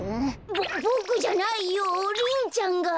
ボボクじゃないよリンちゃんが。